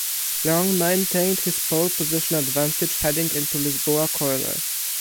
Leong maintained his pole position advantage heading into Lisboa corner.